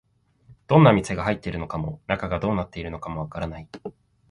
どんな店が入っているのかも、中がどうなっているのかもわからない